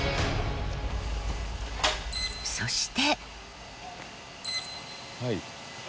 そして。